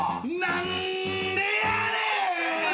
何でやねん！？